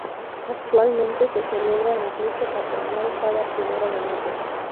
Actualmente se celebra la fiesta patronal cada primero de mayo.